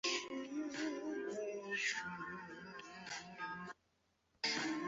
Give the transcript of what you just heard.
最初名为石头山。